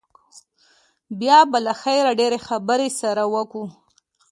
بيا به له خيره ډېرې خبرې سره وکو.